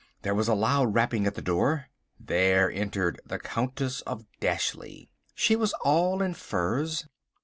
There was a loud rapping at the door. There entered the Countess of Dashleigh. She was all in furs.